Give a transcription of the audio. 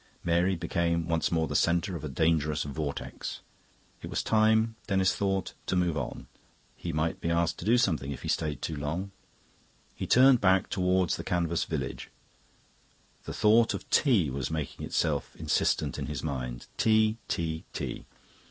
Mary became once more the centre of a dangerous vortex. It was time, Denis thought, to move on; he might be asked to do something if he stayed too long. He turned back towards the canvas village. The thought of tea was making itself insistent in his mind. Tea, tea, tea.